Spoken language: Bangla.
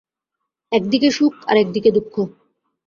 একদিকে সুখ, আর একদিকে দুঃখ।